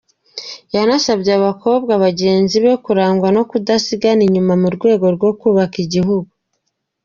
Yanasabye abakobwa bagenzi be kurangwa no kudasigara inyuma mu rugendo rwo kubaka igihugu.